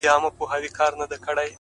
o ده ناروا؛